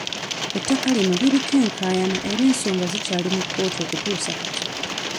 Ettaka lino liriko enkaayana era ensonga zikyali mu Kkooti okutuusa kati.